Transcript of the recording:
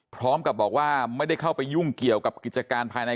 พร้อมกับบอกว่าไม่ได้เข้าไปยุ่งเกี่ยวกับกิจการภายใน